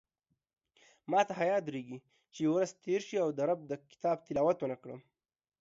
ماته حیاء درېږې چې ورځ تېره شي او د رب د کتاب تلاوت ونکړم